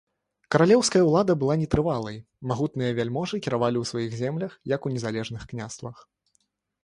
Каралеўская ўлада была нетрывалай, магутныя вяльможы кіравалі ў сваіх землях, як у незалежных княствах.